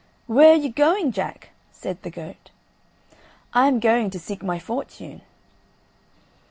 "Where are you going, Jack?" said the goat. "I am going to seek my fortune."